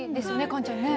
カンちゃんね。